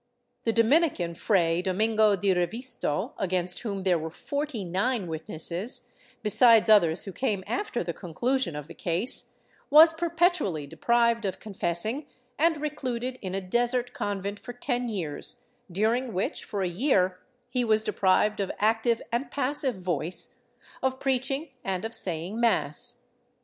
The Dominican Fray Domingo de Revisto, against whom there were forty nine witnesses, besides others who came after the con clusion of the case, was perpetually deprived of confessing and recluded in a desert convent for ten years, during which, for a year, he was deprived of active and passive voice, of preaching and of saying mass.